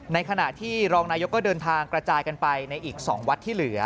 ในขณะที่รองนายกก็เดินทางกระจายกันไปในอีก๒วัดที่เหลือ